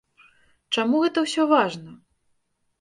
Чаму гэта ўсё важна?